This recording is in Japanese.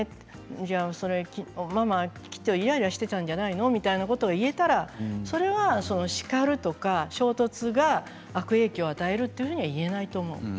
じゃあママきっとイライラしていたんじゃないの？ということを言ったらそれは叱るとか衝突が悪影響を与えるというふうには言えないと思う。